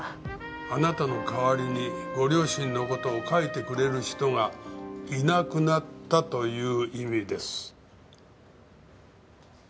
あなたの代わりにご両親の事を書いてくれる人がいなくなったという意味です。